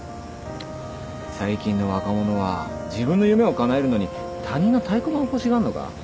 最近の若者は自分の夢をかなえるのに他人の太鼓判を欲しがるのか？